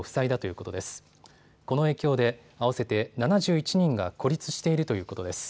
この影響で合わせて７１人が孤立しているということです。